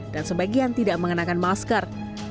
dan sebagian tidak mengenakan masker